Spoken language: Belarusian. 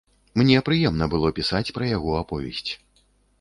Мне прыемна было пісаць пра яго аповесць.